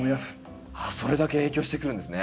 それだけ影響してくるんですね。